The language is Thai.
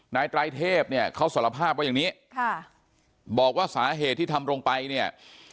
นายไตรเทพเนี่ยเขาสารภาพว่าอย่างนี้ค่ะบอกว่าสาเหตุที่ทำลงไปเนี่ย